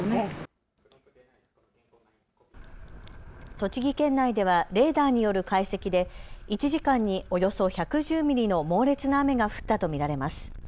栃木県内ではレーダーによる解析で１時間におよそ１１０ミリの猛烈な雨が降ったと見られます。